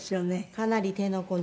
かなり手の込んだ。